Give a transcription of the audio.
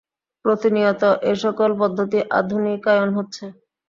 প্রতিনিয়ত এসকল পদ্ধতি আধুনিকায়ন হচ্ছে।